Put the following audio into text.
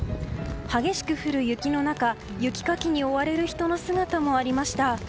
激しく降る雪の中、雪かきに追われる人の姿もありました。